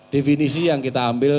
definisi yang kita ambil